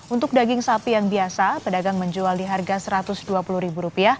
untuk daging sapi yang biasa pedagang menjual di harga rp satu ratus dua puluh